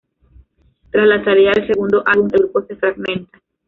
Tras la salida del segundo álbum el grupo se fragmenta.